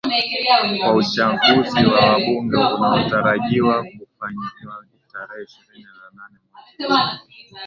kuwa uchaguzi wa wabunge unaotarajiwa kufanywa tarehe ishirini na nane mwezi huu